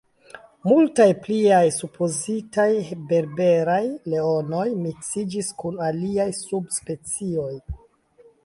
Multaj pliaj supozitaj berberaj leonoj miksiĝis kun aliaj subspecioj.